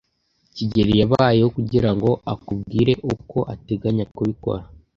kigeli yabayeho kugirango akubwire uko ateganya kubikora?